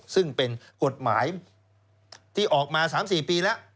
ซึ่งเป็นกฎหมายที่ออกมา๓๔ปีแล้ว